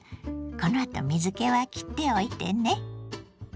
このあと水けはきっておいてね。